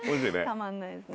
たまんないですね。